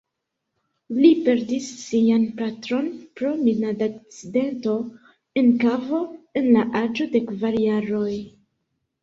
Li perdis sian patron pro minadakcidento en kavo en la aĝo de kvar jaroj.